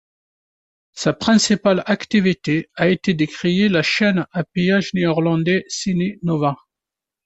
Sa principale activité a été de créer la chaîne à péage néerlandais CineNova.